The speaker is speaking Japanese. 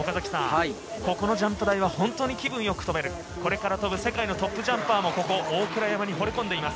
ここのジャンプ台は本当に気分よく飛べる、世界のトップジャンパーもここ、大倉山に惚れ込んでいます。